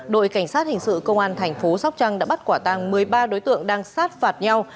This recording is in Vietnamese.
đội cảnh sát hình sự công an thành phố sóc trăng đã bắt quả tàng một mươi ba đối tượng đang sát phạt nhau